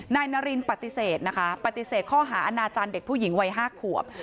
นายนารินปฏิเสธนะคะปฏิเสธข้อหาอาณาจารย์เด็กผู้หญิงวัย๕ขวบ